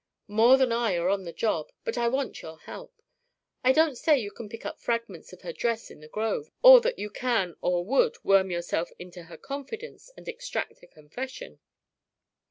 "More than I are on the job, but I want your help. I don't say you can pick up fragments of her dress in the grove, or that you can or would worm yourself into her confidence and extract a confession.